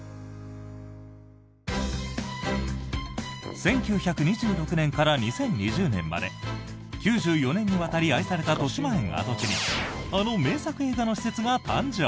１９２６年から２０２０年まで９４年にわたり愛されたとしまえん跡地にあの名作映画の施設が誕生。